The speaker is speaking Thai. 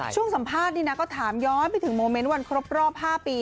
สัมภาษณ์นี่นะก็ถามย้อนไปถึงโมเมนต์วันครบรอบ๕ปี